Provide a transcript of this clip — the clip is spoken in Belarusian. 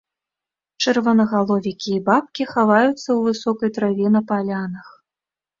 Чырвонагаловікі і бабкі хаваюцца ў высокай траве на палянах.